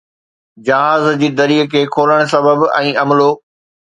جهاز جي دريءَ کي کولڻ سبب ۽ عملو